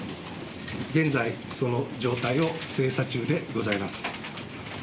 現在その状態を精査中でございます。